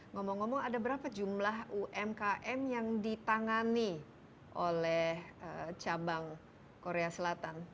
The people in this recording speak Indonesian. ngomong ngomong ada berapa jumlah umkm yang ditangani oleh cabang korea selatan